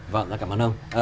vâng cảm ơn ông